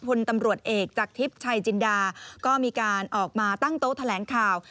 พลตำรวจเอกจากทิพย์ชัยจินดาก็มีการออกมาตั้งโต๊ะแถลงข่าว